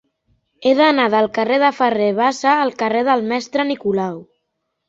He d'anar del carrer de Ferrer Bassa al carrer del Mestre Nicolau.